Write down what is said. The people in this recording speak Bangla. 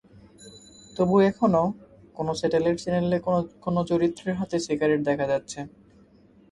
তবু এখনো কোনো স্যাটেলাইট চ্যানেলে কোনো কোনো চরিত্রের হাতে সিগারেট দেখা যাচ্ছে।